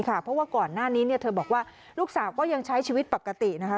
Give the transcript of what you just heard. เพราะว่าก่อนหน้านี้เธอบอกว่าลูกสาวก็ยังใช้ชีวิตปกตินะคะ